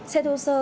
xe thô sơ